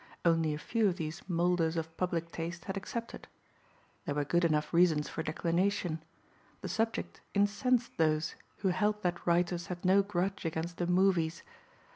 Only a few of these moulders of public taste had accepted. There were good enough reasons for declination. The subject incensed those who held that writers had no grudge against the "movies."